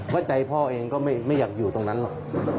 ว่าใจพ่อเองก็ไม่อยากอยู่ตรงนั้นหรอก